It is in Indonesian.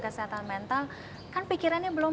kesehatan mental kan pikirannya belum